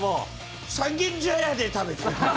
三軒茶屋で食べたよ。